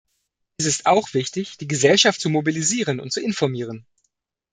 Es ist auch wichtig, die Gesellschaft zu mobilisieren und zu informieren.